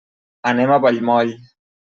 Anem a Vallmoll.